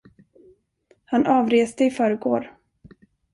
Han avreste i förrgår.